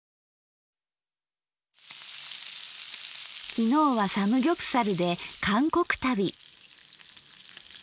きのうはサムギョプサルで韓国旅。